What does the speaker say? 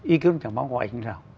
y cứu chẳng mong gọi như thế nào